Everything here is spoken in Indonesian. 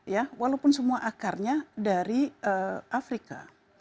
ya walaupun semua akarnya dari afrika